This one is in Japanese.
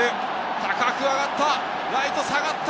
高く上がった！